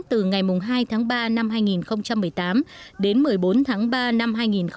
từ ngày hai tháng ba năm hai nghìn một mươi tám đến một mươi bốn tháng ba năm hai nghìn một mươi chín